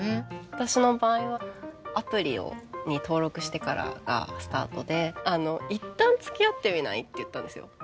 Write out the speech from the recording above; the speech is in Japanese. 私の場合はアプリに登録してからがスタートで「一旦つきあってみない？」って言ったんですよ。